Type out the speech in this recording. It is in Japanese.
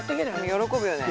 喜ぶよね。